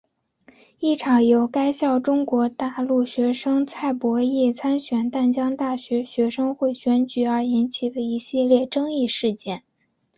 一场由该校中国大陆学生蔡博艺参选淡江大学学生会选举而引起的一系列争议事件。